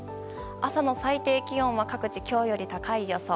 朝の最低気温は各地、今日より高い予想。